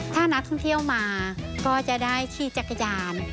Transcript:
ถ้านักท่องเที่ยวมาก็จะได้ขี่จักรยาน